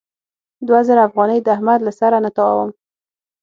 دوه زره افغانۍ د احمد له سره نه تاووم.